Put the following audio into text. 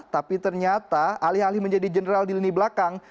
tapi ternyata alih alih menjadi general di lini belakang